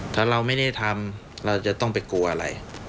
ถ้าเราไม่ได้ทำเราจะต้องไปกลัวอะไร